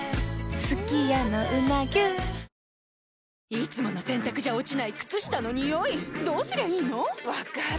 いつもの洗たくじゃ落ちない靴下のニオイどうすりゃいいの⁉分かる。